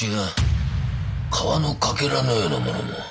皮のかけらのようなものも。